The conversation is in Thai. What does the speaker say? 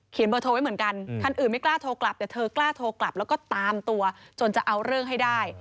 เบอร์โทรไว้เหมือนกันคันอื่นไม่กล้าโทรกลับแต่เธอกล้าโทรกลับแล้วก็ตามตัวจนจะเอาเรื่องให้ได้